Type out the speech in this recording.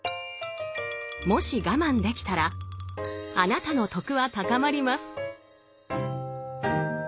もし我慢できたらあなたの「徳」は高まります！